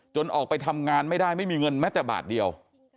ออกไปทำงานไม่ได้ไม่มีเงินแม้แต่บาทเดียว